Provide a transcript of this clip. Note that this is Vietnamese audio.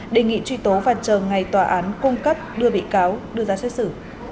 đề nghị truy tố và chờ ngày tòa án cung cấp đưa bị cáo đưa ra xét xử